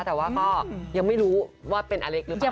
แต่ว่าก็ยังไม่รู้ว่าเป็นอเล็กหรือเปล่า